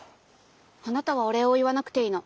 あなたはお礼を言わなくていいの。